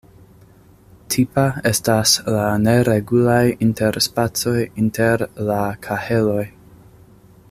Tipa estas la neregulaj interspacoj inter la kaheloj.